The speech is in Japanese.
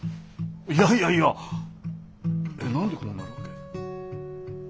いやいやいや何でこうなるわけ？